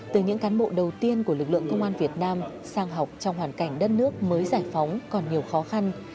từ những cán bộ đầu tiên của lực lượng công an việt nam sang học trong hoàn cảnh đất nước mới giải phóng còn nhiều khó khăn